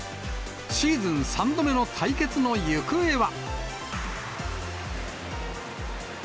シーズン３度目の対決の行方は。